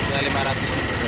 lima ratus satu hari itu